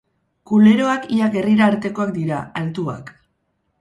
Kuleroak ia gerrira artekoak dira, altuak.